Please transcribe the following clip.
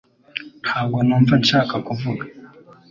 Ntabwo numva nshaka kuvuga